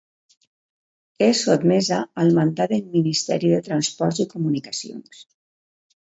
És sotmesa al mandat del Ministeri de Transports i Comunicacions.